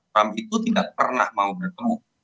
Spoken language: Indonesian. trump itu tidak pernah mau bertemu